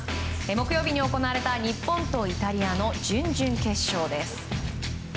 木曜日に行われた日本とイタリアの準々決勝です。